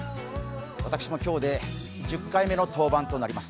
私も今日で１０回目の登板となります。